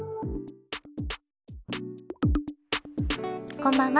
こんばんは。